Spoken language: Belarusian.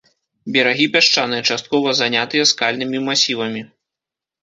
Берагі пясчаныя, часткова занятыя скальнымі масівамі.